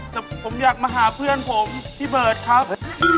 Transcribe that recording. แต่ผมอยากมาหาเพื่อนผมพี่เบิร์ตครับ